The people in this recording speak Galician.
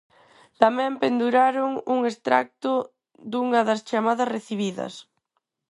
Tamén penduraron un extracto dunha das chamadas recibidas.